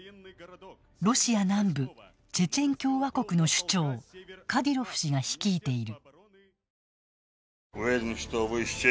ロシア南部チェチェン共和国の首長カディロフ氏が率いている。